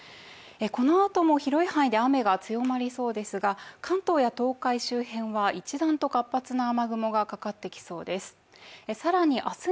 このあとも広い範囲で雨が強まりそうですが、関東や東海周辺は一段と活発な雨雲がかかってきそうです。